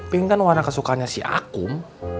pink kan warna kesukaannya si akom